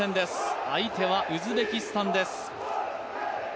相手はウズベキスタンです。